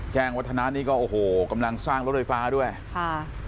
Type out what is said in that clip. วัฒนานี่ก็โอ้โหกำลังสร้างรถไฟฟ้าด้วยค่ะ